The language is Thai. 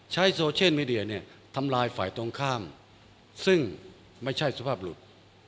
ใช้โซเชียลมีเดียเนี่ยทำลายฝ่ายตรงข้ามซึ่งไม่ใช่สภาพหลุด